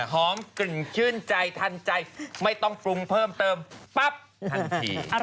หอมกลิ่นชื่นใจทันใจไม่ต้องปรุงเพิ่มเติมปั๊บทันที